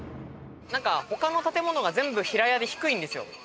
他の建物が全部平屋で低いんですよ。